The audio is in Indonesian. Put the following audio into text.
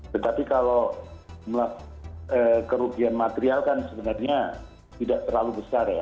tetapi kalau kerugian material kan sebenarnya tidak terlalu besar ya